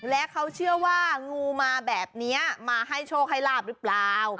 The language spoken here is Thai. และเขาเชื่อว่างูมาแบบนี้มาให้โชคให้ลาบหรือเปล่า